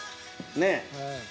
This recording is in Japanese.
ねえ。